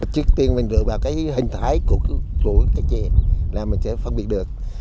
trước tiên mình được vào cái hình thái của cái trà là mình sẽ phân biệt được